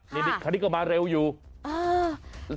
นี่คันนี้ก็มาเร็วอยู่อ่า